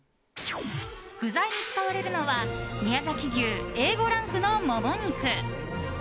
具材に使われるのは宮崎牛Ａ５ランクのモモ肉。